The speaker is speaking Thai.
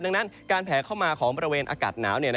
ดังนั้นการแผลเข้ามาของบริเวณอากาศหนาว